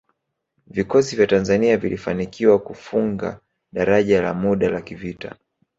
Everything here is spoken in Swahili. Vikosi vya Tanzania vilifanikiwa kufunga daraja la muda la kivita